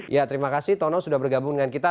ya terima kasih tono sudah bergabung dengan kita